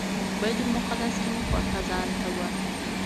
بیت المقدس کې مې کوټه ځانته وه.